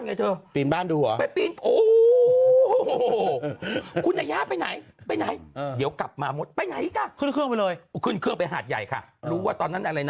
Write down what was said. เงินบ้านที่หัวปีนโอ้โหห่ะหายไปแล้วกลับมาไปไหนก็ค่นเครื่องเลยคุ้นเครื่องไปหาดใหญ่ค่ะรู้ว่าตอนนั้นวัย